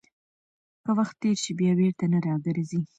که وخت تېر شي، بیا بیرته نه راګرځي.